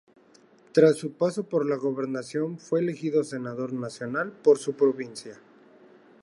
Tras su paso por la gobernación fue elegido Senador Nacional por su provincia.